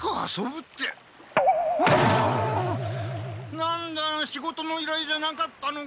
なんだ仕事のいらいじゃなかったのか。